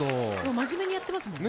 真面目にやってますもんね。